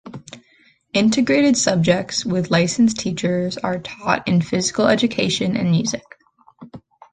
Integrated subjects with licensed teachers are taught in physical education and music.